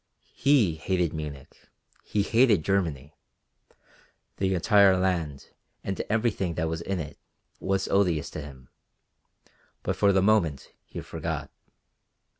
He hated Munich; he hated Germany. The entire land, and everything that was in it, was odious to him; but for the moment he forgot.